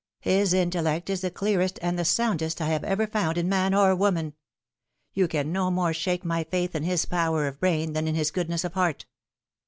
His intellect is the clearest and the soundest I have ever found in man or woman. You can no more shake my faith in his power of brain than in his good ness of heart."